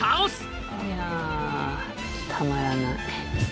いやたまらない。